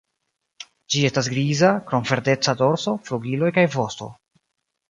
Ĝi estas griza, krom verdeca dorso, flugiloj kaj vosto.